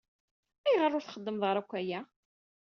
Ayɣer ur txeddmeḍ ara akk aya?